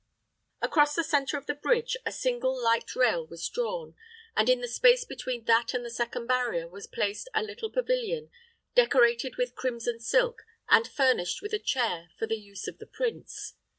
Across the centre of the bridge a single light rail was drawn, and in the space between that and the second barrier was placed a little pavilion, decorated with crimson silk, and furnished with a chair for the use of the prince.